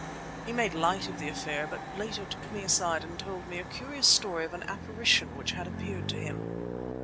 He made light of the affair, but later took me aside and told me a curious story of an apparition which had appeared to him.